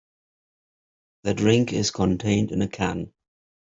The drink is contained in a can.